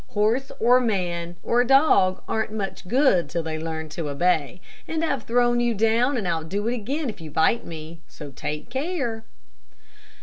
Horse, or man, or dog aren't much good till they learn to obey, and I've thrown you down and I'll do it again if you bite me, so take care."